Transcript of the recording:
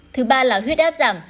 thứ ba là huyết áp giảm